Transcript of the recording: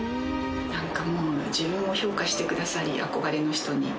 なんかもう自分を評価してくださり、憧れの人に。